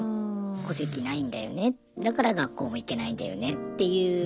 戸籍ないんだよねだから学校も行けないんだよねっていう。